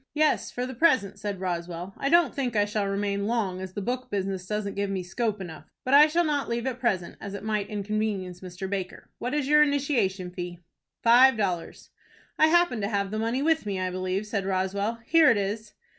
"Yes, for the present," said Roswell. "I don't think I shall remain long, as the book business doesn't give me scope enough; but I shall not leave at present, as it might inconvenience Mr. Baker. What is your initiation fee?" "Five dollars." "I happen to have the money with me, I believe," said Roswell. "Here it is."